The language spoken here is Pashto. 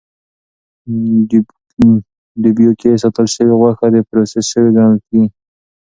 ډبیو کې ساتل شوې غوښه د پروسس شوې ګڼل کېږي.